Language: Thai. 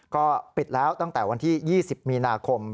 ก็ปิดแล้วตั้งแต่วันที่๒๐มีนาคม